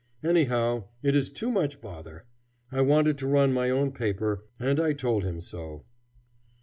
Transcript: Anyhow, it is too much bother. I wanted to run my own paper, and I told him so.